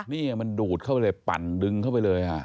นี่มันดูดเข้าไปเลยปั่นดึงเข้าไปเลยฮะ